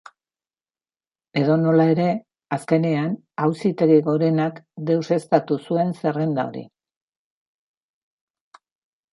Edonola ere, azkenean Auzitegi Gorenak deuseztatu zuen zerrenda hori.